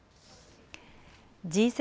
Ｇ７